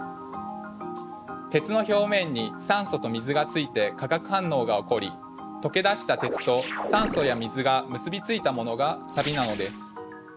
鉄の表面に酸素と水がついて化学反応が起こり溶け出した鉄と酸素や水が結び付いたものがサビなのです。